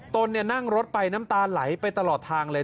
นั่งรถไปน้ำตาไหลไปตลอดทางเลย